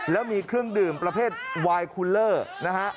แล้วมีเครื่องดื่มประเภทวายคูลเลอร์นะฮะ